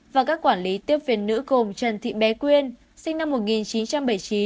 và các quản lý tiếp viên nữ gồm trần thị bé quyên sinh năm một nghìn chín trăm bảy mươi chín